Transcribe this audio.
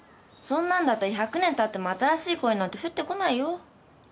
そんなんだったら１００年たっても新しい恋なんて降ってこないよ。